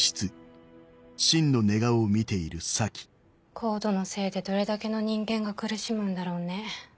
ＣＯＤＥのせいでどれだけの人間が苦しむんだろうね。